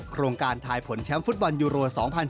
โครงการทายผลแชมป์ฟุตบอลยูโร๒๐๑๖